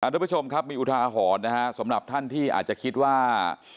ทุกผู้ชมครับมีอุทาหรณ์นะฮะสำหรับท่านที่อาจจะคิดว่า